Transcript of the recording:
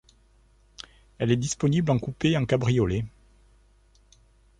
Elle est disponible en coupé et en cabriolet.